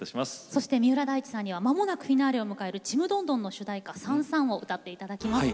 そして三浦大知さんにはまもなくフィナーレを迎える「ちむどんどん」の主題歌「燦燦」を歌って頂きます。